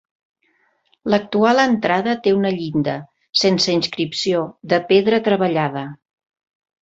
L'actual entrada té una llinda, sense inscripció, de pedra treballada.